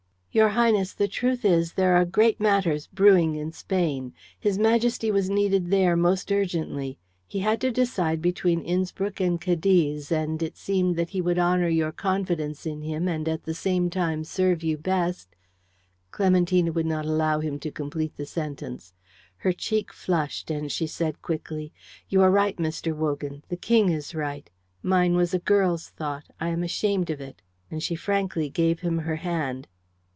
"Your Highness, the truth is there are great matters brewing in Spain. His Majesty was needed there most urgently. He had to decide between Innspruck and Cadiz, and it seemed that he would honour your great confidence in him and at the same time serve you best " Clementina would not allow him to complete the sentence. Her cheek flushed, and she said quickly, "You are right, Mr. Wogan. The King is right. Mine was a girl's thought. I am ashamed of it;" and she frankly gave him her hand.